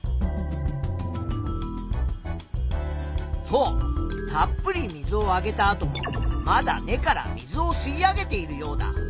そうたっぷり水をあげたあともまだ根から水を吸い上げているヨウダ。